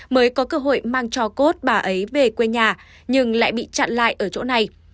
mới có cơ hội mang cho cốt bà ấy về quê nhà nhưng lại bị chặn lại ở chỗ này